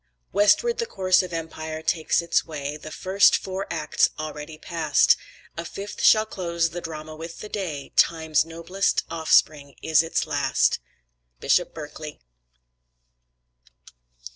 "Westward the course of empire takes its way; The first four acts already past, A fifth shall close the drama with the day: TIME'S NOBLEST OFFSPRING IS ITS LAST." BISHOP BERKELEY.